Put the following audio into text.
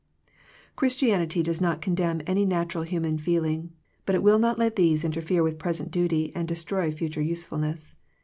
Christianity does not condemn any nat ural human feeling, but it will not let these interfere with present duty and destroy future usefulness.